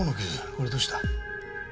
これどうした？